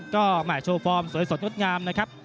ก็แหม่โชว์ฟอร์มสวยสดงดงามนะครับ